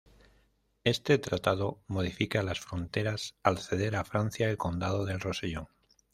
Este tratado modifica las fronteras al ceder a Francia el Condado del Rosellón.